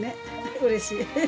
うれしい。